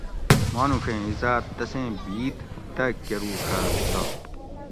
مانوڄیں عزات تسیں بِید دہ کروڛات تہ